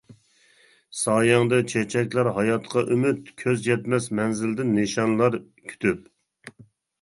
سايەڭدە چېچەكلەر ھاياتقا ئۈمىد، كۆز يەتمەس مەنزىلدىن نىشانلار كۈتۈپ.